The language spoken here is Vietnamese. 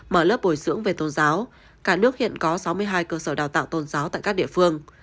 mở lớp bồi dưỡng về tôn giáo cả nước hiện có sáu mươi hai cơ sở đào tạo tôn giáo tại các địa phương